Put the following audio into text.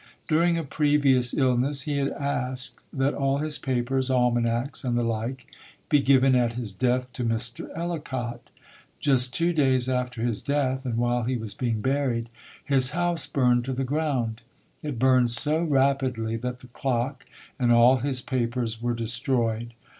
During a previous illness he had asked that all his papers, almanacs, and the like, be given at his death to Mr. Ellicott. Just two days after his death and while he was being buried, his house burned to the ground. It burned so rapidly that the clock and all his papers were destroyed.